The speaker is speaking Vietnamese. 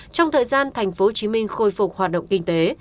trong thời gian thành phố hồ chí minh khôi phục hoạt động kinh tế